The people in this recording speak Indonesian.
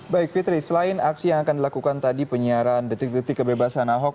baik fitri selain aksi yang akan dilakukan tadi penyiaran detik detik kebebasan ahok